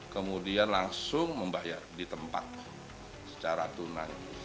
kemudian langsung membayar di tempat secara tunai